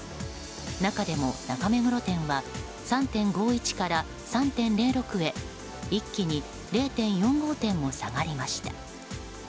中でも、中目黒店は３．５１から３．０６へ一気に０．４５点も下がりました。